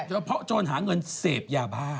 นะครับอะเพราะโจนหาเงินเศษอย่าบ้า